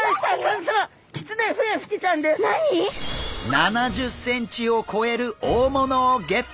７０ｃｍを超える大物をゲット！